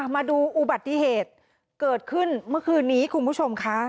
มาดูอุบัติเหตุเกิดขึ้นเมื่อคืนนี้คุณผู้ชมค่ะ